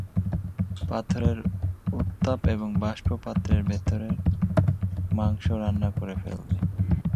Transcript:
পাথরের উত্তাপ এবং বাষ্প পাত্রের ভেতরের মাংস রান্না করে ফেলবে।